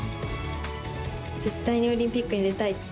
絶対にオリンピックに出たい。